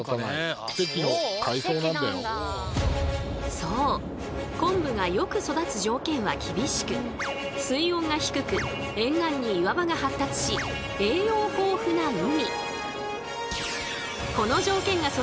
そう昆布がよく育つ条件は厳しく水温が低く沿岸に岩場が発達し栄養豊富な海。